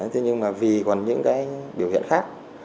thế nhưng mà vì còn những cái biểu hiện khác